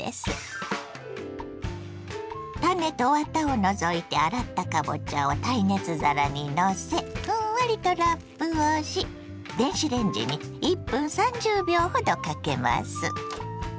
種とワタを除いて洗ったかぼちゃを耐熱皿にのせふんわりとラップをし電子レンジに１分３０秒ほどかけます。